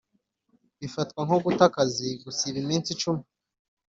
bifatwa nko guta akazi gusiba iminsi cumi